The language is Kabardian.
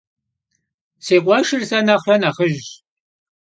Si khueşşır se nexhre nexhıjş.